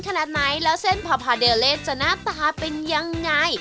ขนาดไหนแล้วเส้นพาพาเดลเลสจะหน้าตาเป็นยังไง